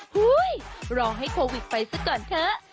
รอให้โควิดไปซะก่อนเถอะ